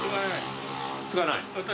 継がない？